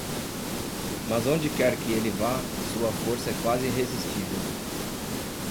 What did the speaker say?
Mas onde quer que ele vá, sua força é quase irresistível.